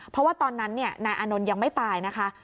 เพราะว่าตอนนั้นนายอานนท์ยังไม่ตายนะคะ